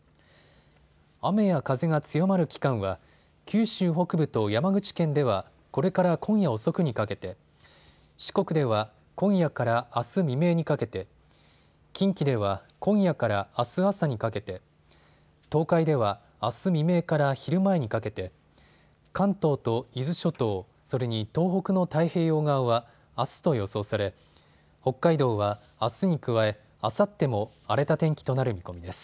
雨や風が強まる期間は、九州北部と山口県ではこれから今夜遅くにかけて、四国では今夜からあす未明にかけて、近畿では今夜からあす朝にかけて、東海ではあす未明から昼前にかけて、関東と伊豆諸島、それに東北の太平洋側は、あすと予想され北海道は、あすに加えあさっても荒れた天気となる見込みです。